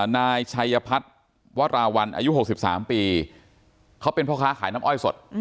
นายชัยพัฒน์วราวัลอายุ๖๓ปีเขาเป็นพ่อค้าขายน้ำอ้อยสด